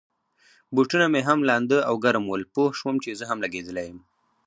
بوټونه مې هم لانده او ګرم ول، پوه شوم چي زه هم لګېدلی یم.